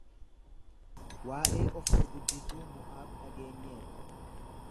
Waa'ee of-gurguddisuu Mo'aab dhageenyeerra.